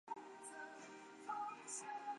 蒂勒人口变化图示